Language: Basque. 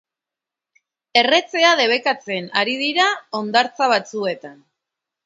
Erretzea debekatzen ari dira hondartza batzuetan.